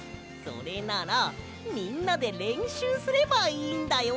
それならみんなでれんしゅうすればいいんだよ！